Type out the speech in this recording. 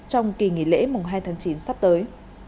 trong kỳ nghỉ lễ mùng hai tháng chín sắp tới